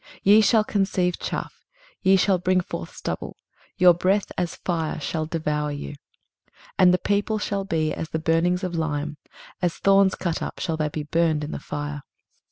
23:033:011 Ye shall conceive chaff, ye shall bring forth stubble: your breath, as fire, shall devour you. 23:033:012 And the people shall be as the burnings of lime: as thorns cut up shall they be burned in the fire.